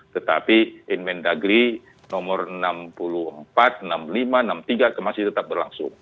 tetapi inmen dagri nomor enam puluh empat enam puluh lima enam puluh tiga masih tetap berlangsung